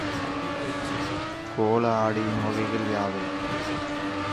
கோள ஆடியின் வகைகள் யாவை?